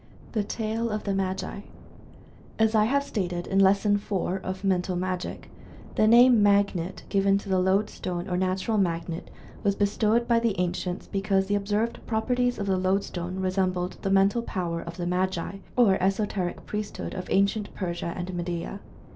THE TALE OF THE MAGI. As I have stated in Lesson IV, of "Mental Magic," the name "Magnet," given to the Lodestone, or nat ural magnet,. was bestowed by the ancients because the observed properties of the lodestone resembled the mental power of the Magi or esoteric priesthood of ancient Persia and Medea.